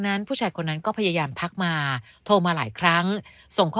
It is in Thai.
นั้นผู้ชายคนนั้นก็พยายามทักมาโทรมาหลายครั้งส่งข้อ